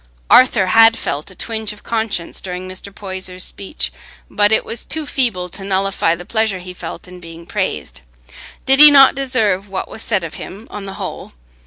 Arthur had felt a twinge of conscience during Mr. Poyser's speech, but it was too feeble to nullify the pleasure he felt in being praised. Did he not deserve what was said of him on the whole?